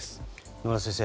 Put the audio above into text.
野村先生